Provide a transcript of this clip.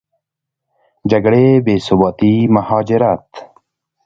جګړې، بېثباتي، مهاجرت